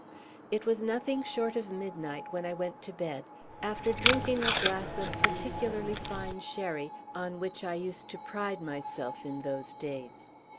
It was nothing short of midnight when I went to bed, after drinking a glass of particularly fine sherry on which I used to pride myself in those days.